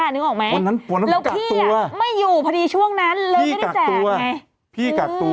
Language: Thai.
นึกออกไหมแล้วพี่ไม่อยู่พอดีช่วงนั้นเราก็ได้แจกไงจะแจกไหนเสียงพี่จะแจกตัว